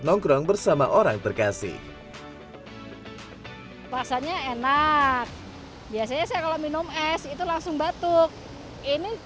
nongkrong bersama orang terkasih rasanya enak biasanya saya kalau minum es itu langsung batuk ini